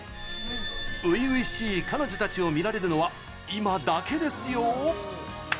初々しい彼女たちを見られるのは今だけですよ！